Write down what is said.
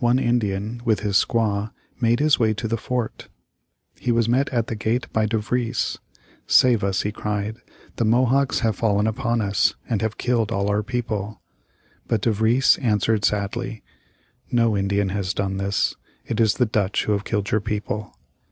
One Indian, with his squaw, made his way to the fort. He was met at the gate by De Vries. "Save us," he cried, "the Mohawks have fallen upon us, and have killed all our people." But De Vries answered, sadly, "No Indian has done this. It is the Dutch who have killed your people."